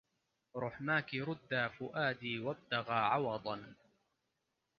رحماكِ رُدّى فؤادي وابتغى عوضاً